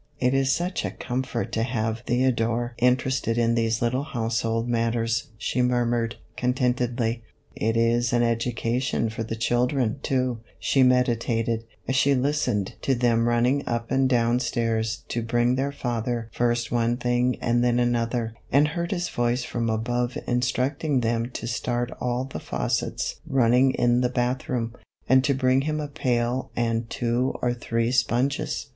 "It is such a comfort to have Theodore interested in these little household matters," she murmured, contentedly. "It is an education for the children, too," she meditated, as she listened to them running up and down stairs to bring their father first one thing and then another, and heard his voice from above in structing them to start all the faucets running in the bathroom, and to bring him a pail and two or three sponges.